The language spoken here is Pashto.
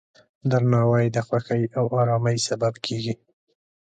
درناوی د خوښۍ او ارامۍ سبب کېږي.